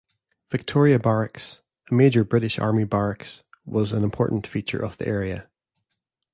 Victoria Barracks, a major British army barracks, was an important feature of the area.